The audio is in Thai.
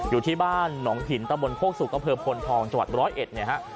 อยู่ที่บ้านหนองหินตะบลโภคสุกกระเภิบพลทองจัวร์๑๐๑เนี่ยฮะ